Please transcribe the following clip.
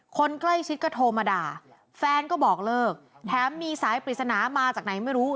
คนใกล้ชิดก็โทรมาด่าแฟนก็บอกเลิกแถมมีสายปริศนามาจากไหนไม่รู้